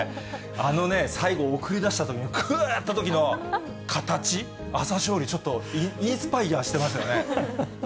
あのね、最後送り出したときの、こうやったときの形、朝青龍、ちょっとインスパイアしてましたよね。